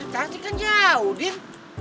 taksi kan jauh din